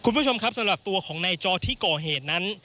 คุณผู้ชมครับสำหรับตัวของนายจอที่ก่อเหตุนั้น